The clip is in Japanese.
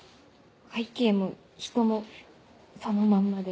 背景も人もそのまんまで。